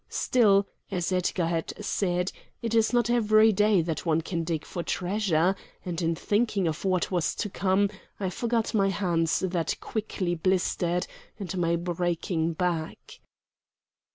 Still, as Edgar had said, it is not every day that one can dig for treasure, and in thinking of what was to come I forgot my hands that quickly blistered, and my breaking back.